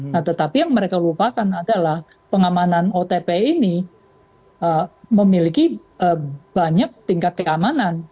nah tetapi yang mereka lupakan adalah pengamanan otp ini memiliki banyak tingkat keamanan